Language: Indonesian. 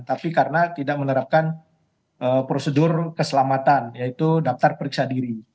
tapi karena tidak menerapkan prosedur keselamatan yaitu daftar periksa diri